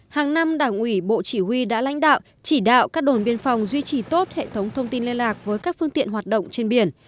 hàng năm đảng ủy bộ chỉ huy đã lãnh đạo chỉ đạo các đồn biên phòng duy trì tốt hệ thống thông tin liên lạc với các phương tiện hoạt động trên biển